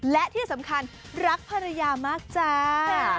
และที่สำคัญรักภรรยามากจ้า